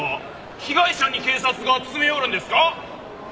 被害者に警察が詰め寄るんですか？